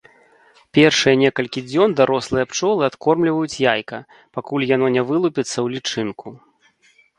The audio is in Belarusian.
Першыя некалькі дзён дарослыя пчолы адкормліваюць яйка, пакуль яно не вылупіцца ў лічынку.